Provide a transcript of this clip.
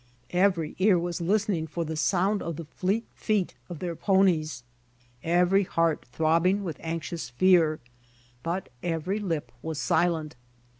Every ear was listening for the sound of the fleet feet of their ponies, every heart throbbing with anxious fear, but every lip was silent.